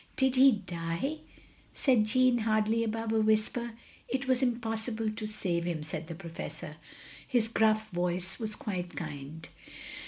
"Did he die?" said Jeanne, hardly above a whisper. "It was impossible to save him," saLid the Professor. His gruff voice was quite kind.